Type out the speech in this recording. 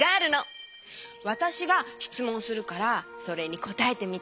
わたしがしつもんするからそれにこたえてみて。